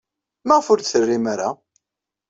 Maɣef ur d-terrim ara?